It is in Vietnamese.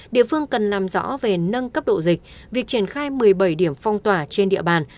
địa phương cần làm rõ về nâng cấp độ dịch việc triển khai một mươi bảy điểm phong tỏa trên địa bàn